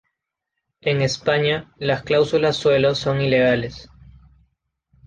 En España las cláusulas suelo son ilegales.